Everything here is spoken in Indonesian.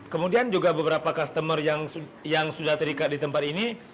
kemudian juga beberapa customer yang sudah terikat di tempat ini